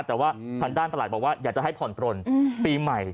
แต่ว่าทางด้านประหลัดบอกว่าอยากจะให้ผ่อนปลนปีใหม่